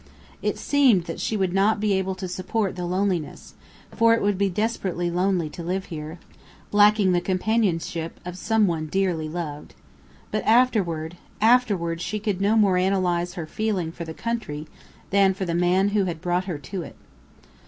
It seemed that she would not be able to support the loneliness; for it would be desperately lonely to live there, lacking the companionship of someone dearly loved. But afterward afterward she could no more analyze her feeling for the country than for the man who had brought her to it.